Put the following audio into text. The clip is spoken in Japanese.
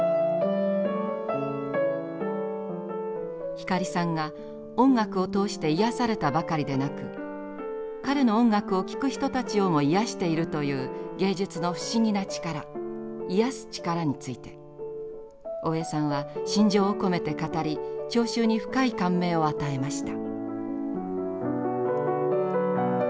光さんが音楽を通して癒やされたばかりでなく彼の音楽を聴く人たちをも癒やしているという芸術の不思議な力癒やす力について大江さんは心情を込めて語り聴衆に深い感銘を与えました。